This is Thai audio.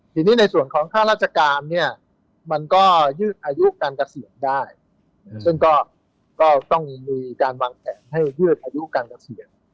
ทีนี้ในส่วนของค่าราชการเนี่ยมันก็ยืดอายุการเกษียณได้ซึ่งก็ต้องมีการวางแผนให้ยืดอายุการเกษียณ